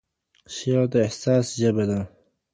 شعر د احساس ژبه ده.